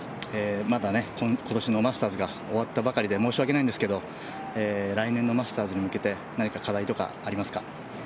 まだ今年のマスターズが終わったばかりで申し訳ないんですが来年のマスターズに向けて何か課題とかありますか？